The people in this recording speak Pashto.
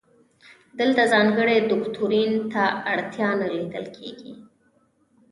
دلته ځانګړي دوکتورین ته اړتیا نه لیدل کیږي.